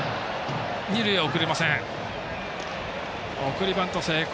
送りバント成功。